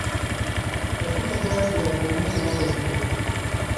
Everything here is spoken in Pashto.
ټپي ته باید د ارامۍ دعا وکړو.